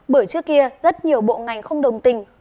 bởi trước kia rất nhiều bộ ngành không đồng tình